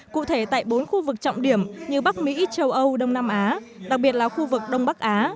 cụ thể tại bốn khu vực trọng điểm như bắc mỹ châu âu đông nam á đặc biệt là khu vực đông bắc á